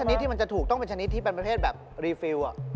นิดที่มันจะถูกต้องเป็นชนิดที่เป็นประเภทแบบรีฟิล